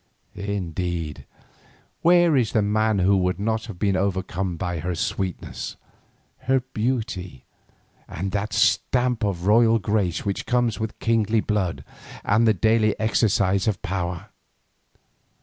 Indeed, where is the man who would not have been overcome by her sweetness, her beauty, and that stamp of royal grace which comes with kingly blood and the daily exercise of power?